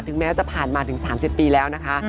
แม้จะผ่านมาถึง๓๐ปีแล้วนะคะ